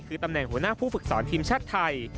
คือตำแหน่งหัวหน้าผู้ฝึกสอนทีมชาติไทย